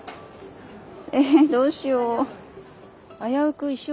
えどうしよう。